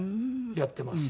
やってます。